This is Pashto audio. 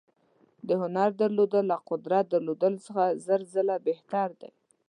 د هنر درلودل له قدرت درلودلو څخه زر ځله بهتر دي.